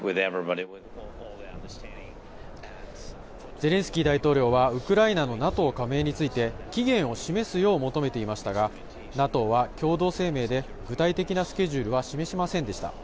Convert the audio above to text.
ゼレンスキー大統領はウクライナのＮＡＴＯ加盟について、期限を示すよう求めていましたが、ＮＡＴＯは共同声明で具体的なスケジュールは示しませんでした。